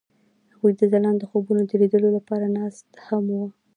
هغوی د ځلانده خوبونو د لیدلو لپاره ناست هم وو.